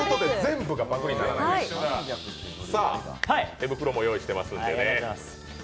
手袋も用意してますからね。